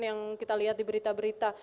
yang kita lihat di berita berita